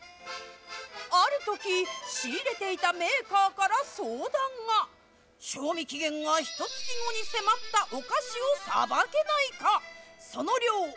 ある時、仕入れていたメーカーから相談が賞味期限がひと月後に迫ったお菓子をさばけないか。